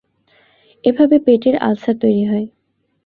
এভাবে পেটের আলসার তৈরি হয়।